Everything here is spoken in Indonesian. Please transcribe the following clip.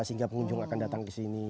sehingga pengunjung akan datang ke sini